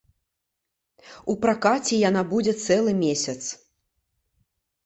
У пракаце яна будзе цэлы месяц.